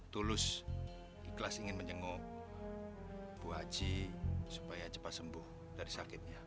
tulus ikhlas ingin menjenguk bu haji supaya cepat sembuh dari sakitnya